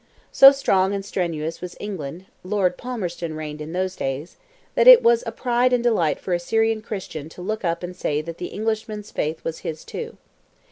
So strong and strenuous was England (Lord Palmerston reigned in those days), that it was a pride and delight for a Syrian Christian to look up and say that the Englishman's faith was his too.